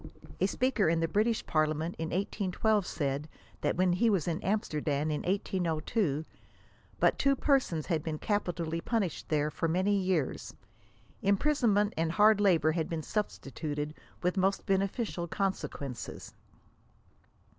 A speaker in the British Parliament in 1812 said, that when he was in Amsterdam in 1802, but two persons had been capitally punished there for many years. Imprisonment and hard labor had been substituted, with *^mo8t &en«/^ctaZ consequences."